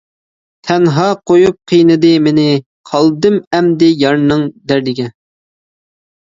تەنھا قۇيۇپ قىينىدى مېنى، قالدىم ئەمدى يارنىڭ دەردىگە.